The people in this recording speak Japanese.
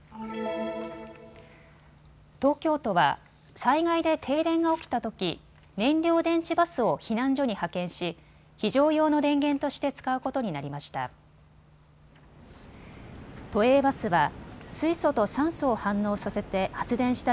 東京都は災害で停電が起きたとき燃料電池バスを避難所に派遣し非常用の電源として使うことになりました。